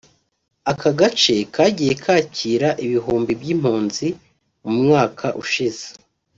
Aka gace kagiye kakira ibihumbi by’impunzi mu mwaka ushize